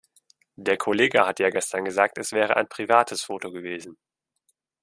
Der Kollege hat ja gestern gesagt, es wäre ein privates Photo gewesen.